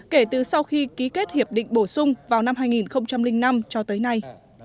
kể từ sau khi ký kết hiệp định bổ sung vào năm hai nghìn năm cho tới nay